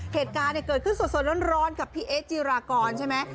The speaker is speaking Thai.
เหตุการณ์เกิดขึ้นสดร้อนกับพี่เอ๊จีรากรใช่ไหม